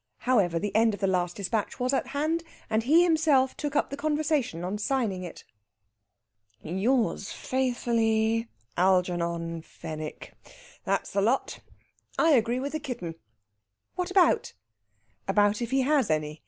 However, the end of the last despatch was at hand, and he himself took up the conversation on signing it. "Yours faithfully, Algernon Fenwick. That's the lot! I agree with the kitten." "What about?" "About if he has any.